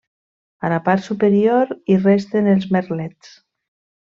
A la part superior hi resten els merlets.